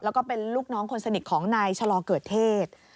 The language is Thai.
แล้วก็เป็นลูกน้องคนสนิทของนายชะลอเกิดเทศ